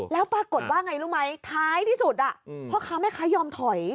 แล้วปรากฏว่าไงรู้ไหมท้ายที่สุดพ่อค้าแม่ค้ายอมถอย